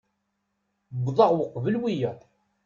Wwḍeɣ uqbel wiyaḍ.